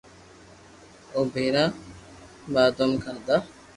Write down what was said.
او ڀآرا بادوم کادا